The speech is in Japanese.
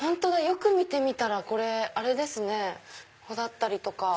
よく見てみたらこれあれですね穂だったり。